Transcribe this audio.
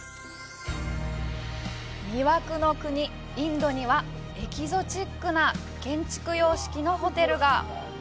魅惑の国、インドにはエキゾチックな建築様式のホテルが。